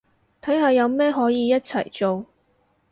睇下有咩可以一齊做